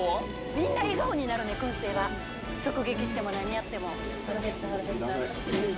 みんな笑顔になるね、くん製は、直撃しても、何やっても。